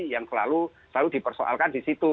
yang selalu dipersoalkan di situ